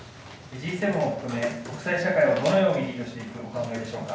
Ｇ７を含め、国際社会をどのようにリードしていくお考えでしょうか。